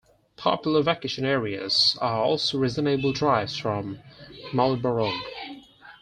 Popular vacation areas are also reasonable drives from Marlborough.